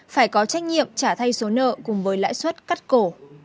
phải có trách nhiệm trả thay số nợ cùng với lãi suất cắt cổ